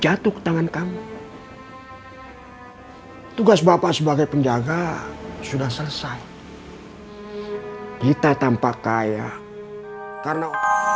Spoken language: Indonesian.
jatuh ke tangan kamu tugas bapak sebagai penjaga sudah selesai kita tampak kaya karena